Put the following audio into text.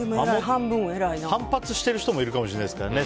反発してる人もいるかもしれないですからね。